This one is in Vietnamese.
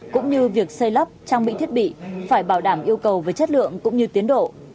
cũng như việc xây lắp trang bị thiết bị phải bảo đảm yêu cầu về chất lượng cũng như tiến độ